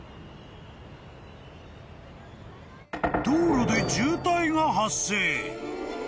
［道路で渋滞が発生］